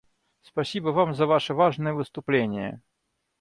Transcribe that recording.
Спасибо Вам за Ваше важное выступление.